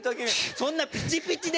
そんなピチピチで出ます？